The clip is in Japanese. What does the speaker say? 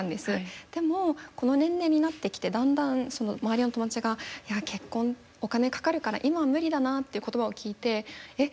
でもこの年齢になってきてだんだん周りの友達がいや結婚お金かかるから今は無理だなって言葉を聞いてえっ